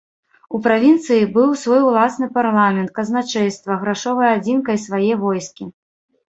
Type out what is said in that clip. У правінцыі быў свой уласны парламент, казначэйства, грашовая адзінка і свае войскі.